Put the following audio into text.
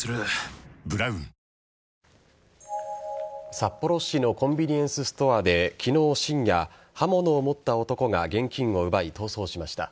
札幌市のコンビニエンスストアで昨日深夜刃物を持った男が現金を奪い逃走しました。